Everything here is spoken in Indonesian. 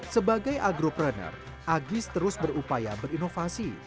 sebagai agropreneur agis terus berupaya berinovasi